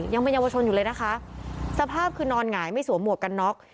ยังเป็นเยาวชนอยู่เลยนะคะสภาพคือนอนหงายไม่สวมหมวกกันน็อก